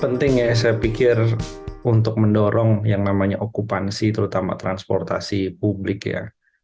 penting ya saya pikir untuk mendorong yang namanya okupansi terutama transportasi publik ya